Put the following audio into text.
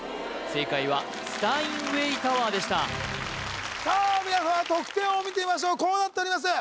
正解はスタインウェイ・タワーでした皆さん得点を見てみましょうこうなっております